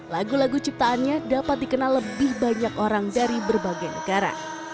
lagu lagu ciptaannya dapat dikenal lebih banyak orang dari berbagai negara